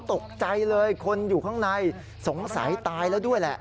ตกใจเลยคนอยู่ข้างในสงสัยตายแล้วด้วยแหละ